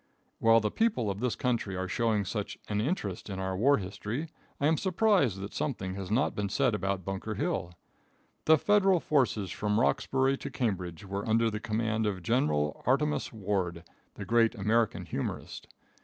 While the people of this country are showing such an interest in our war history, I am surprised that something has not been said about Bunker Hill. The Federal forces from Roxbury to Cambridge were under command of General Artemus Ward, the great American humorist.